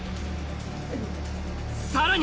・さらに！